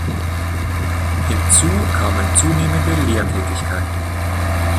Hinzu kamen zunehmende Lehrtätigkeiten.